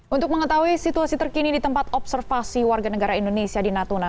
untuk mengetahui situasi terkini di tempat observasi warga negara indonesia di natuna